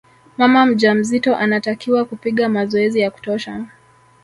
mama mjamzito anatakiwa kupiga mazoezi ya kutosha